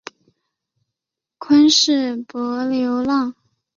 昆士柏流浪